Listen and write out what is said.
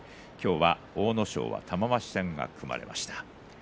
阿武咲は玉鷲戦が組まれました。